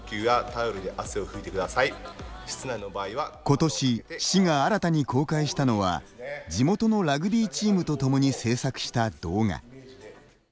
ことし市が新たに公開したのは地元のラグビーチームとともに制作した動画。